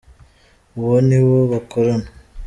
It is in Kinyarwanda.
Uwo ni wo bakorana